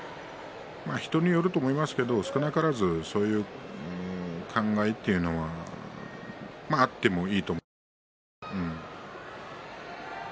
人によるとは思いますが少なからずそういう考えというのがあってもいいと思います。